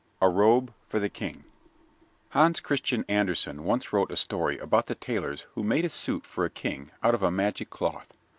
A Robe for the King Hans Christian Andersen once wrote a story about the tailors who made a suit for a King out of a magic cloth.